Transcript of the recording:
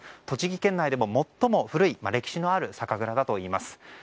栃木県内でも最も古い歴史のある酒蔵だといいます。